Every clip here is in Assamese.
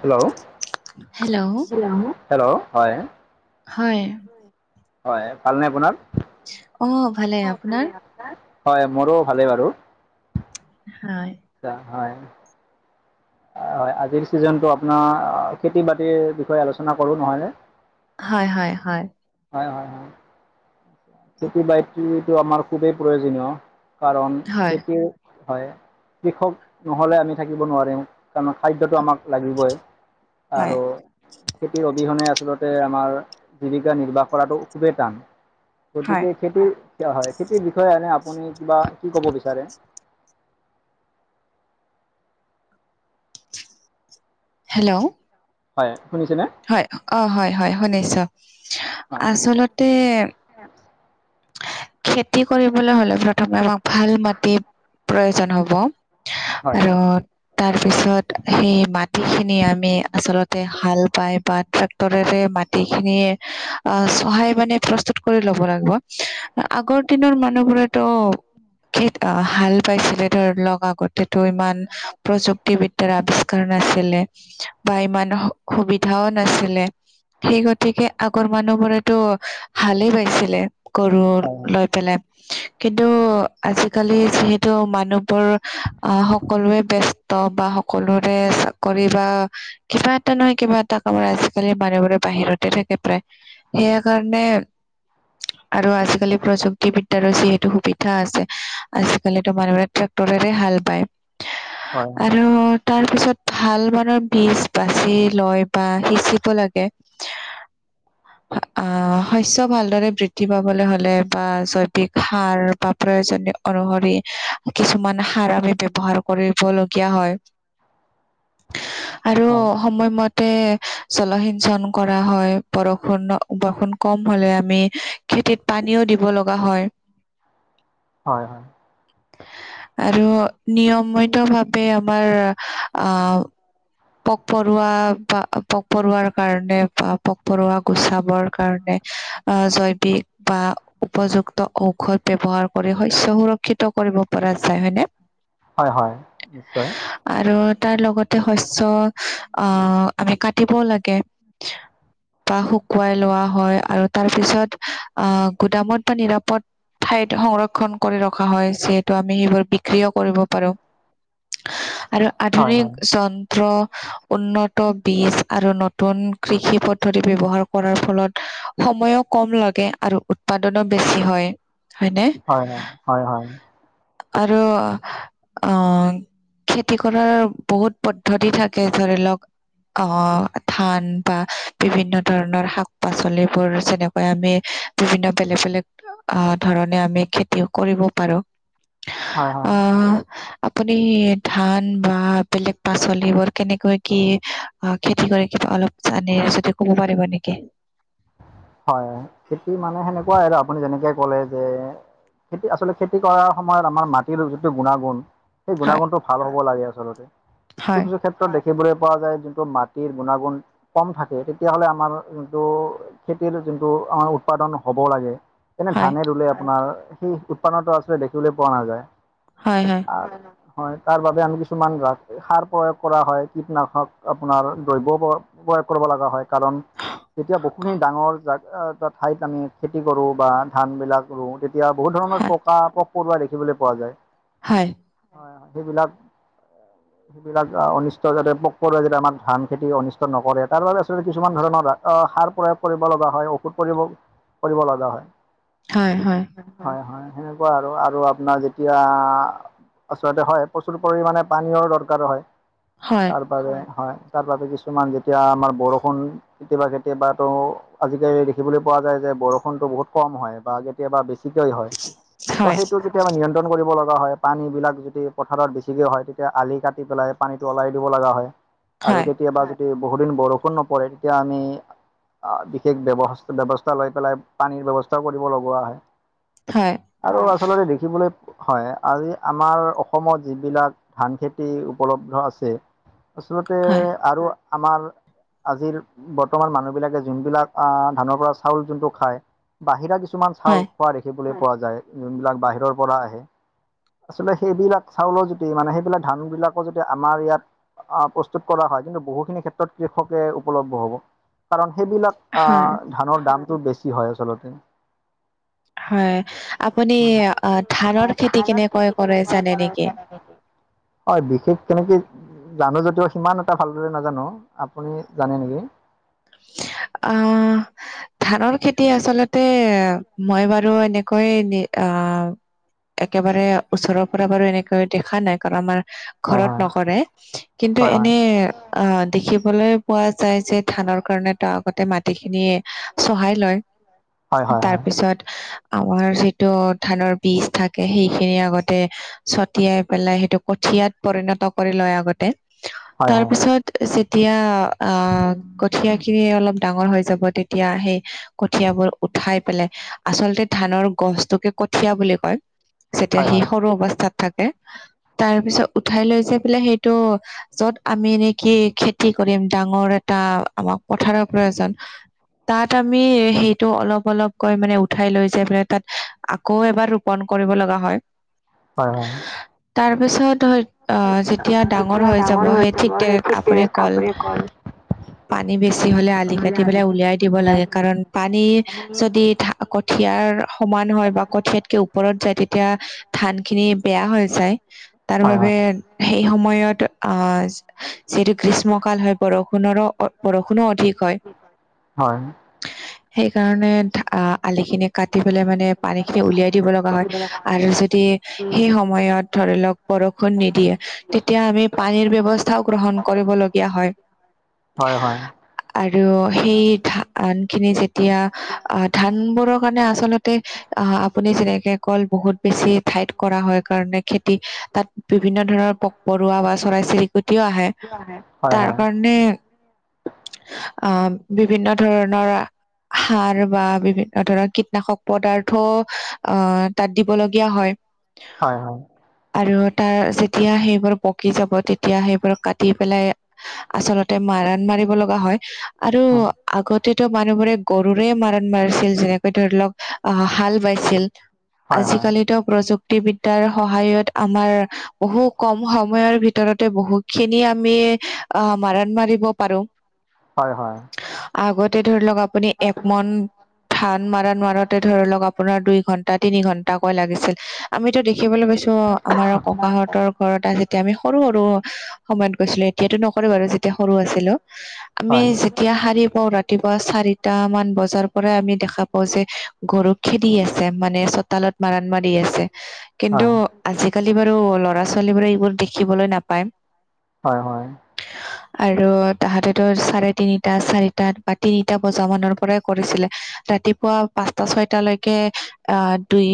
Hello hello? হেল্লৌ হেল্লৌ হয়। হয়। হয় ভালনে আপোনাৰ অ অ ভালে আপোনাৰ, হয় মোৰো ভালে বাৰু হয় আচ্ছা হয়। হয় আজিৰ ছিজনটো আপোনাৰ খেতি বাতিৰ বিষয়ে আলোচনা কৰোঁ নহয় নে? হয় হয় হয় হয় হয় হয় খেতি বাতিটো আমাৰ খুবেই প্ৰয়োজনীয় কাৰণ হয়। খেতি হয় কৃষক নহ'লে আমি থাকিব নোৱাৰিম কাৰণ খাদ্যটো আমাক লাগিবই হয়, আৰু খেতিৰ অবিহনে আচলতে আমাৰ জীৱিকা নিৰ্বাহ কৰাটো খুবেই টান হয়। গতিকে খেতিৰ হয় খেতিৰ বিষয়ে এনে আপুনি কিবা, কি ক'ব বিচাৰে হেল্ল' হয় শুনিছেনে? হয় অ হয় হয় শুনিছ হয় আচলতে খেতি কৰিবলৈ হলে প্ৰথমে আমাক ভাল মাটিৰ প্ৰয়োজন হয় হ'ব। আৰু তাৰ পিছত সেই মাটি খিনি আমি আচলতে হাল বাই বা ট্ৰেক্ট টৰেৰে মাটি খিনি অ চহাই মানে প্ৰস্তুত কৰি ল'ব লাগিব। আগৰ দিনৰ মানুহবোৰেত খেত অ হাল বাইছিলে ধৰ লগাকৈ যিটো ইমান প্ৰযুক্তিবিদ্যাৰ আৱিষ্কাৰ নাছিলে। বাই ইমান সুবিধাও নাছিলে। সেই গতিকে আগৰ মানুহবোৰেতো শালেই বাইছিলে। ৰোল হয় লৈ পেলাই কিন্তু আজিকালি যিহেতু মানুহবোৰ অহ সকলোৱে ব্যস্ত বা সকলোৰে কৰি বা কিবা এটা নহয় কিবা এটা কামত আজিকালি মানুহবোৰে বাহিৰতে থাকে প্ৰায় সেয়া কাৰণে আৰু আজিকালি প্ৰযুক্তিবিদ্যাৰো যিহেতু সুবিধা আছে আজিকালিতো মানুহবোৰে ট্ৰেক্টৰেৰে হাল হয় বায় আৰু তাৰ পিছত ভাল মানৰ বীজ বাচি লয় বা সিঁচিব লাগে [inaudible] অ শস্য ভালদৰে বৃ বৃদ্ধি পাবলৈ হলে বা জৈৱিক সাৰ বা প্ৰয়োজন অনুসৰি কিছুমান সাৰ আমি ব্যৱহাৰ কৰিবলগীয়া হয়। [inaudible] আৰু সময়মতে জলসিঞ্চন কৰা হয় বৰষুন বৰষুন কম হলে আমি খেতিত পানীও দিব লগা হয়। হয় হয় আৰু নিয়মিত ভাৱে আমাৰ অ পোক পৰুৱা বা পোক পৰুৱাৰ কাৰণে বা পোক পৰুৱা গুচাবৰ কাৰণে আ জৈৱ দ্ধি বা উপযুক্ত ঔষধ ব্যৱহাৰ কৰি শস্য সুৰক্ষিত কৰিব পৰা যায় হয়নে। হয় হয় নিশ্চয় আৰু তাৰ লগতে শস্য আহ আমি কাটিবও লাগে। উম হো [unintelligible] বা শুকুৱাই লোৱা হয় আৰু তাৰ পিছত আহ গুদামত বা নিৰাপদ ঠাইত সংৰক্ষন কৰি ৰখা হয় যিহেতু আমি সেইবোৰ বিক্ৰীও কৰিব পাৰোঁ। [unintelligible] আৰু হয় আধুনিক হয় জন উন্নত বীজ আৰু নতুন কৃষি পদ্ধতি ব্যৱহাৰ কৰাৰ ফলত সময়ো কম লাগে আৰু উৎপাদনো বেছি হয়। হয়নে হয় হয় হয় হয় আৰু অ খেতি কৰাৰ বহুত পদ্ধতি থাকে ধৰি লওক অ ধান বা বিভিন্ন ধৰণৰ শাক পাচলিবোৰ যেনেকৈ আমি বিভিন্ন বেলেগ বেলেগ আ ধৰণে আমি খেতিও কৰিব পাৰোঁ। হয় অ আপুনি ধান বা বেলেগ পাচলিবোৰ কেনেকৈ কি, অ খেতি হৈ অলপ জানে যদি কব পাৰিব নেকি? হয় খেতি মানে সেনেকুৱাই আৰু আপুনি যেনেকে ক'লে যে, খেতি আচলতে খেতি কৰাৰ সময়ত আমাৰ মাটিৰ যিটো গুণাগুণ সেই হয় গুণাগুণতটো ভাল হব লাগে আচলতে কিছু হয় কিছু ক্ষেত্ৰত দেখিবলৈ পোৱা যায় যোনটো মাটিৰ গুণাগুণ কম থাকে তেতিয়াহলে আমাৰ যোনটো খেতিৰ যোনটো উৎপাদন হ'ব লাগে এনে হয় ধানে ৰুলে আপোনাৰ সেই উৎপাদনতো আচলতে দেখিবলৈ পোৱা নাযায়। হয় হয় হয় তাৰ বাবে আমি কিছুমান ৰাখ সাৰ প্ৰয়োগ কৰা হয় কীটনাশক আপোনাৰ দ্ৰব্য প্ৰয়োগ কৰিব লগা হয় কাৰণ যেতিয়া বহুখিনি ডাঙৰ জা এ ঠাইত আমি খেতি কৰো বা ধান বিলাক ৰোও তি তেতিয়া বহুত ধৰণৰ হয় পকা পোক পৰুৱা দেখিবলৈ পোৱা যায়। হয় হয় হয় সেইবিলাক বিলাক অনিষ্ট যাতে পোক পৰুৱাই যাতে আমাৰ ধান খেতি অনিষ্ট নকৰে তাৰ বাবে আচলতে কিছুমান ধৰণৰ সাৰ প্ৰয়োগ কৰিব লগা হয় ঔষধ পৰি কৰিব লগা হয় হয় হয় হয় হয় সেনেকুৱা আৰু আৰু আপোনাৰ যেতিয়া আচলতে হয় প্ৰচুৰ পৰিমাণে পানীয়ো দৰকাৰো হয় হয় তাৰ হয় তাৰ বাবে কিছুমান যেতিয়া আমাৰ বৰষুণ কেতিয়াবা কেতিয়াবা ত আজিকালি দেখিবলৈ পোৱা যায় যে বৰষুণতটো বহুত কম হয় বা কেতিয়াবা বেছিকৈ হয় ত হয় হয় সেইটো কেতিয়াবা নিয়ন্ত্ৰণ কৰিব লগা হয় পানীবিলাক যদি পথাৰত বেছিকৈ হয় তেতিয়া আলি কাটি পেলাই পানীটো ওলাই দিব লগা হয় আৰু কেতিয়াবা যদি বহুদিন বৰষুণ নপৰে তেতিয়া আমি বিশেষ ব্যৱ ব্যৱস্থা লৈ পেলাই পানীৰ ব্যৱস্থাও কৰিব লগোৱা হয়। হয় আৰু আচলতে দেখিবলৈ হয় আজি আমাৰ অসমত যিবিলাক ধান খেতি উপলব্ধ আছে। আচলতে হয় আৰু আমাৰ আজিৰ বৰ্তমান মানুহ বিলাকে যোনবিলাক ধানৰ পৰা চাউল যোনটো খায় বাহিৰা কিছুমান চাউল হয় পোৱা দেখিবলৈ পোৱা যায় যোনবিলাক বাহিৰৰ পৰা আহে আচলতে সেইবিলাক চাউলৰ যদি মানে সেইবিলাক ধান বিলাকো যদি আমাৰ ইয়াত আহ প্ৰস্তুত কৰা হয় কিন্তু বহুখিনি ক্ষেত্ৰত কৃষকে উপলব্ধ হ'ব কাৰণ সেইবিলাক আ হয় ধানৰ দামটো বেছি হয় আচলতে হয় আপুনি ধানৰ খেতি কেনেকৈ কৰে জানে নেকি? হয় বিশেষ তেনেকে জানো যদিও সিমান এটা ভালদৰে নাজানো আপুনি জানে নেকি? আ ধানৰ খেতি আচলতে মই বাৰু এনেকৈ আহ একেবাৰে ওচৰৰ পৰা বাৰু এনেকৈ দেখা নাই কাৰণ আমাৰ হয় ঘৰত হয় নকৰে কিন্তু হয় হয় এনে অ দেখিবলৈ পোৱা যায় যে ধানৰ কাৰণে ত আগতে মাটিখিনি চহাই লয় হয় হয় হয় তাৰপিছত আমাৰ যিটো ধানৰ বীজ থাকে সেইখিনি আগতে ছটিয়াই পেলাই সেইটো কঠিয়াত পৰিণত কৰি লয় আগতে হয় তাৰপিছত যেতিয়া আহ কঠিয়া খিনি অলপ ডাঙৰ হৈ যাব তেতিয়া সেই কঠিয়াবোৰ উঠাই পেলাই আচলতে ধানৰ গছটোকে কঠিয়া বুলি কয়। যেতিয়া হয় সি হয় সৰু অৱস্থাত থাকে তাৰ পিছত উঠাই লৈ যে পেলে সেইটো য'ত আমি নেকি খেতি কৰিম ডাঙৰ এটা। আমাক পথাৰৰ প্ৰয়োজন তাত আমি সেইটো অলপ অলপকৈ মানে উঠাই লৈ যাই মানে তাত আকৌ এবাৰ পন কৰিব লগা হয়। হয় হয়। তাৰ পিছত হয় আহ যেতিয়া ডাঙৰ হৈ যাব সেই ঠিক তেনে আপৰে কল। পানী বেছি হূলে আলি কাটি পেলাই উলিয়াই দিব লাগে কাৰণ পানী যদি কঠিয়াৰ সমান হয় বা কঠিয়াতকে ওপৰত যায় তেতিয়া ধান খিনি বেয়া হৈ যায়। তাৰ হয় হয় হয় হয় বাবে সেই সময়ত আহ যিহেতু গ্ৰীষ্মকাল হয় বৰষুণৰো বৰষুণো অধিক হয়। আহ সেইকাৰণে আলিখিনিত কাটি পেলাই মানে পানী খিনি উলিয়াই দিব লগা হয় আৰু যদি সেই সময়ত ধৰি লওঁক বৰষুণ নিদিয়ে তেতিয়া আমি পানীৰ ব্যয়ৱস্থাও গ্ৰহণ কৰিবলগীয়া হয়। হয় হয় আৰু সেই ধান খিনি যেতিয়া আহ ধানবোৰক কাৰণে আচলতে আহ আপুনি যেনেকে কল বহুত বেছি ঠাইত কৰা হয় কাৰণে খেতি তাত বিভিন্ন ধৰণৰ পুক পৰুৱা বা চৰাই চিৰিকটিও আহে হয় হয় তাৰ কাৰণে অ বিভিন্ন ধৰণৰ সাৰ বা বিভিন্ন ধৰৰ কীটনাশক পদাৰ্থ অ তাত দিবলগীয়া হয়। হয় হয় আৰু তাৰ যেতিয়া সেইবোৰ পকি যাব তেতিয়া সেইবোৰ কাটি পেলাই- আচলতে মাৰণ মাৰিব লগা হয় আৰু- আগতেত মানুহবোৰে গৰুৰে মাৰণ মাৰিছিল যেনেকৈ ধৰি লওঁক আহ হাল বাইছিল। হয় হয় আজিকালিত প্ৰযুক্ত মুুক্তিবিদ্যাৰ সহায়ত আমাৰ বহু কম সময়ৰ ভিতৰতে বহু খিনি আমি আহ মাৰণ মাৰিব পাৰোঁ। হয় হয়। আগতে ধৰি লওঁক আপুনি একমন ধান মাৰণ মাৰোতে ধৰি লওক আপোনাৰ দুই ঘন্টা তিনি ঘন্টাকৈ লাগিছিল। আমিতো দেখিবলৈ পাইছোঁ অহ, আমাৰ ককাহঁতৰ ঘৰত যেতিয়া আমি সৰু সৰু সময়ত গৈছিলোঁ, এতিয়াতো নকৰে বাৰু যেতিয়া সৰু আছিলোঁ। আমি যেতিয়া হাৰি পাওঁ, ৰাতিপুৱা চাৰিটা মান বজাৰ পৰাই আমি দেখা পাওঁ যে গৰু খেদি আছে। মানে চোতালত মাৰণ মাৰি আছে। কিন্তু আজিকালি বাৰু ল'ৰা ছোৱালী বোৰে এইবোৰ দেখিবলৈ নাপায়। হয় হয়। আৰু তাহাঁতেতো চাৰে তিনিটা চাৰিটা বা তিনিটা বজা মানৰ পৰাই কৰিছিলে। ৰাতিপুৱা পাঁচটা ছয়টালৈকে আহ দুই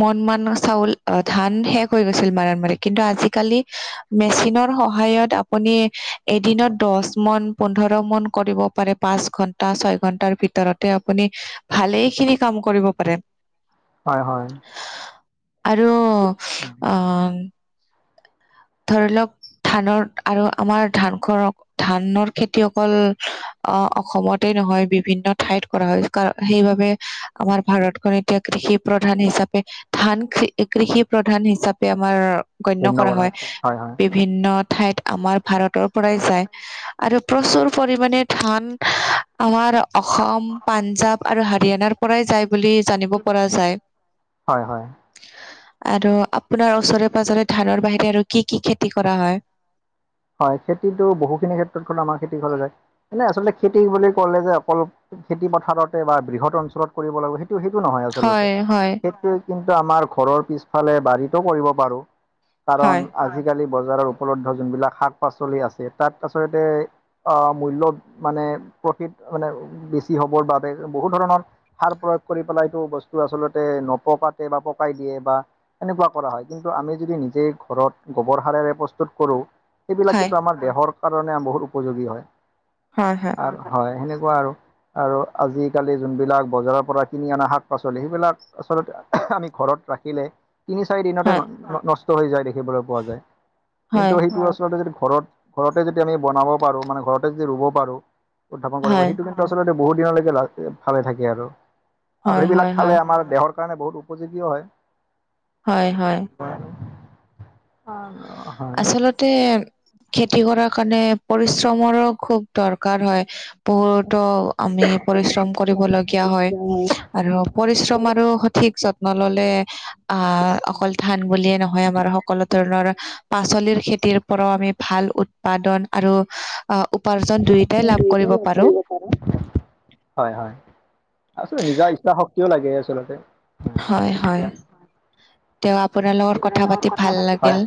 মন মান চাউল আহ ধান শেষ হৈ গৈছিল মাৰণ মাৰে কিন্তু আজিকালি মেচিনৰ সহায়ত আপুনি এদিনত দশ মন পোন্ধৰ মন কৰিব পাৰে। পাঁচ ঘন্টা, ছয় ঘন্টাৰ ভিতৰতে আপুনি ভালেই খিনি কাম কৰিব পাৰে। হয় হয়। আৰু আহ ধৰি লওঁক ধানৰ আৰু আমাৰ ধান ঘৰক ধানৰ খেতি অকল অ অসমতেই নহয়। বিভিন্ন ঠাইত কৰা হয়। কাৰ সেইবাবে আমাৰ ভাৰতখন এতিয়া কৃষি প্ৰধান হিচাপে ধান কৃষি প্ৰধান হিচাপে আমাৰ গণ্য কৰা হয়। হয় হয়। বিভিন্ন ঠাইত আমাৰ ভাৰতৰ পৰাই যায়। আৰু প্ৰচুৰ পৰিমাণে ধান আমাৰ অসম, পাঞ্জাৱ আৰু হাৰিয়ানাৰ পৰাই যায়। বুলি জানিব পৰা যায়। হয় হয় আৰু আপোনাৰ ওচৰে পাজৰে ধানৰ বাহিৰে আৰু কি কি খেতি কৰা হয়? হয়। খেতিটো বহুখিনি ক্ষেত্ৰতখন আমাৰ খেতি ঘৰলৈ যায়। এনে আচলতে খেতি বুলি কলে যে অকল খেতি পথাৰতে বা বৃহৎ অঞ্চলত কৰিব লাগিব সেইটো সেইটো নহয় আচলতে, হয় হয় সেইটোৱে কিন্তু আমাৰ ঘৰৰ পিছফালে বাৰীতো কৰিব পাৰোঁ। কাৰণ হয় আজি আজিকালি বজাৰত উপলব্ধ যোনবিলাক শাক পাচলি আছে। তাত আচলতে মূল্য মানে প্ৰফিট মানে বেছি হবৰ বাবে বহুত ধৰণৰ সাৰ প্ৰয়োগ কৰি পেলাইটো বস্তু আচলতে নপকাতে বা পকাই দিয়ে বা এনেকুৱা কৰা হয়। কিন্তু আমি যদি নিজে ঘৰত গোবৰ সাৰেৰে প্ৰস্তুত কৰোঁ। সেইবিলাক হয়, কিন্তু আমাৰ দেহৰ কাৰণে বহুত উপযোগী হয়। হয় হয়। আৰু হয় সেনেকুৱা আৰু আৰু আজিকালি যোনবিলাক বজাৰৰ পৰা কিনি অনা শাক পাচলি সেইবিলাক আচলতে আমি ঘৰত ৰাখিলে তিনি চাৰি দিনতে হয়, নষ্ট হৈ যায়। দেখিবলৈ পোৱা যায়। কিন্তু হয়, সেইটো আচলতে যদি ঘৰত ঘৰতে যদি আমি বনাব পাৰোঁ। মানে ঘৰতে যদি ৰুব পাৰোঁ। উদাপন কৰিব হয়, সেইটো কিন্তু আচলতে বহুত দিনলৈকে ভালে থাকে আৰু আৰু হয়, সেইবিলাক হয়, ফালে হয়, আমাৰ দেহৰ কাৰণে বহুত উপযোগীও হয়। হয় হয়। হয়। অহ আচলতে খেতি কৰাৰ কাৰণে পৰিশ্ৰমৰো খুব দৰকাৰ হয়। বহুতো আমি পৰিশ্ৰম কৰিব লগীয়া হয়। আৰু পৰিশ্ৰম আৰু সঠিক যত্ন ললে। আহ, অকল ধান বুলিয়ে নহয় আমাৰ সকলো ধৰণৰ পাচলিৰ খেতিৰ পৰাও আমি ভাল উৎপাদন আৰু উপাৰ্জন দুয়োটাই লাভ কৰিব পাৰোঁ। হয় হয়। আচলতে নিজা ইচ্ছা শক্তিও লাগে আচলতে হয় হয় তেওঁ আপোনাৰ লগত কথা পাতি ভাল লাগিল।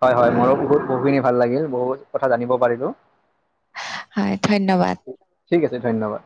হয় হয় ময়ো বহুত বহুখিনি ভাল লাগিল, বহুত কথা জানিব পাৰিলোঁ। হয় ধন্যবাদ। ঠিক আছে ধন্যবাদ।